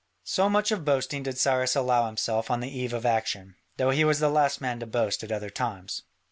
So much of boasting did Cyrus allow himself on the eve of action, though he was the last man to boast at other times.